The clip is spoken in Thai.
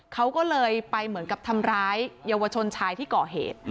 เขาก็เลยไปเหมือนกับทำร้ายเยาวชนชายที่ก่อเหตุ